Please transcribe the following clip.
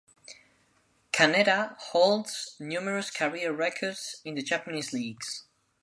Kaneda holds numerous career records in the Japanese leagues.